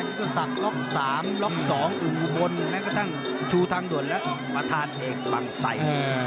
ก็สั่งล็อก๓ล็อก๒อุ่นบนแม้กระทั่งชูทางด่วนและประธานเอกบังไส